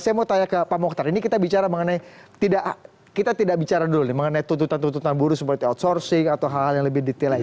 saya mau tanya ke pak mokhtar ini kita bicara mengenai kita tidak bicara dulu mengenai tuntutan tuntutan buruh seperti outsourcing atau hal hal yang lebih detail lagi